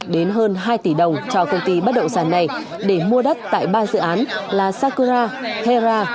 đến hơn hai tỷ đồng cho công ty bất động sản này để mua đất tại ba dự án là sacura hera